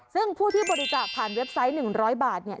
ซึ่งผู้ที่บริจาคผ่านเว็บไซต์๑๐๐บาทเนี่ย